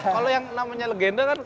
kalau yang namanya legenda kan